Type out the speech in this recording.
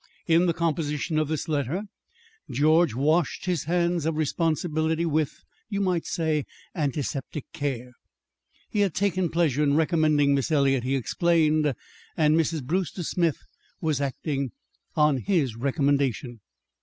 In the composition of this letter George washed his hands of responsibility with, you might say, antiseptic care. He had taken pleasure in recommending Miss Eliot, he explained, and Mrs. Brewster Smith was acting on his recommendation.